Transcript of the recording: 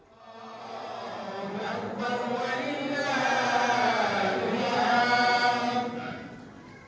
om nampal wali'la allah